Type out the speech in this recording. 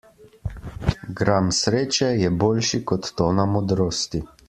Gram sreče je boljši kot tona modrosti.